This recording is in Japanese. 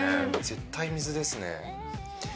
絶対水ですね。